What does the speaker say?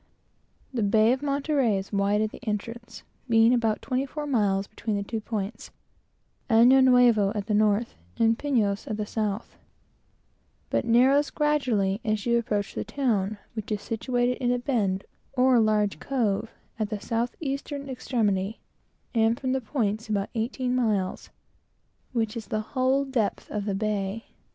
The bay of Monterey is very wide at the entrance, being about twenty four miles between the two points, Año Nuevo at the north, and Pinos at the south, but narrows gradually as you approach the town, which is situated in a bend, or large cove, at the south eastern extremity, and about eighteen miles from the points, which makes the whole depth of the bay.